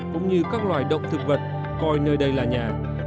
cũng như các loài động thực vật coi nơi đây là nhà